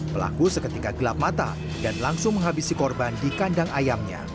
pelaku seketika gelap mata dan langsung menghabisi korban di kandang ayamnya